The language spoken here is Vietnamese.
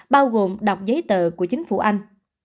bao gồm đọc giấy tờ của chính phủ anh